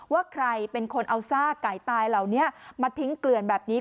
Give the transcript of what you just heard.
ว่าใครเป็นคนเอาซากไก่ตายเหล่านี้มาทิ้งเกลื่อนแบบนี้